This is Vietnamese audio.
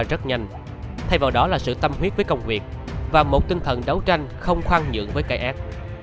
nó xảy ra rất nhanh thay vào đó là sự tâm huyết với công việc và một tinh thần đấu tranh không khoan dưỡng với cái ác